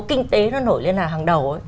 kinh tế nó nổi lên là hàng đầu